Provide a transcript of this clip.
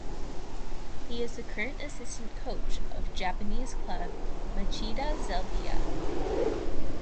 He is the current assistant coach of Japanese club Machida Zelvia.